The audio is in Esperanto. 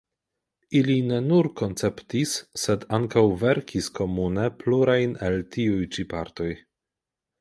Ili ne nur konceptis, sed ankaŭ verkis komune plurajn el tiuj ĉi partoj.